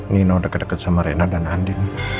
nino udah kedeket sama rena dan andi